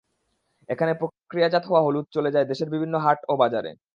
এখানে প্রক্রিয়াজাত হওয়া হলুদ চলে যায় দেশের বিভিন্ন হাট ও বাজারে।